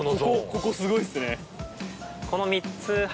ここすごいっすね